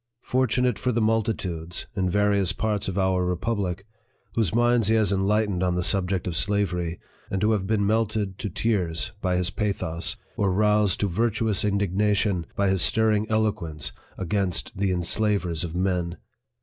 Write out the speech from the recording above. fortunate for the multitudes, in various parts of our republic, whose minds he has enlightened on the sub ject of slavery, and who have been melted to tears by his pathos, or roused to virtuous indignation by his stir ring eloquence against the enslavers of men